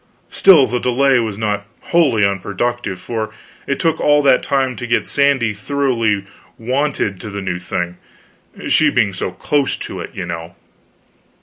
Still the delay was not wholly unproductive, for it took all that time to get Sandy thoroughly wonted to the new thing, she being so close to it, you know.